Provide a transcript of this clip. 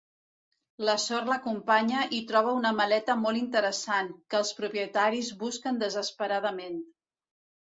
La sort l’acompanya i troba una maleta molt interessant, que els propietaris busquen desesperadament.